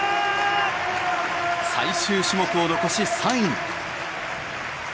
最終種目を残し、３位。